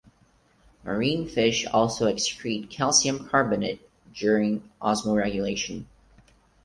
Marine fish also excrete calcium carbonate during osmoregulation.